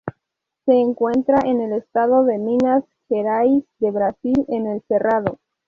Se encuentra en el estado de Minas Gerais de Brasil en el Cerrado.